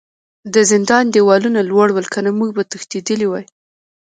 د زندان دیوالونه لوړ ول کنه موږ به تښتیدلي وای